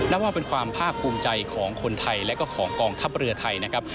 นับว่าเป็นความภาคภูมิใจของคนไทยและก็ของกองทัพเรือไทยนะครับ